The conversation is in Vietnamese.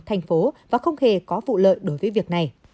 thành phố và không hề có phụ lợi đối với việc này